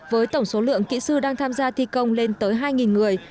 với tổng số lượng kỹ sư đang tham gia thi công lên tới hai người